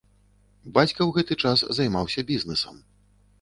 Бацька ў гэты час займаўся бізнэсам.